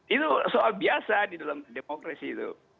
itu soal biasa di dalam demokrasi itu